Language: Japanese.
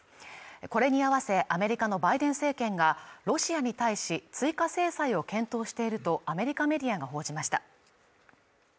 これに合わせアメリカのバイデン政権がロシアに対し追加制裁を検討しているとアメリカメディアが報じました